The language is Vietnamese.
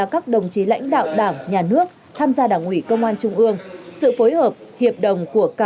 các đồng chí đều hết lòng hết sức